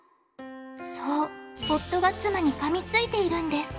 そう夫が妻にかみついているんです。